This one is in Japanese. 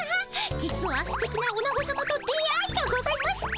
実はすてきなおなごさまと出会いがございまして。